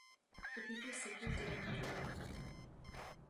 The people simply didn't have a lot.